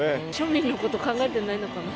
庶民のこと考えてないのかな。